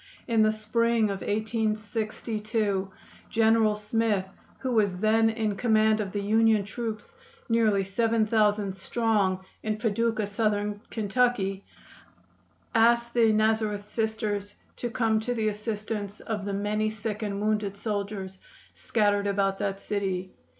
In the spring of 1862 General Smith, who was then in command of the Union troops, nearly seven thousand strong, in Paducah, Southern Kentucky, asked the Nazareth Sisters to come to the assistance of the many sick and wounded soldiers scattered about that city.